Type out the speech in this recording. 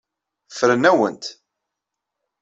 Ffren-awen-t.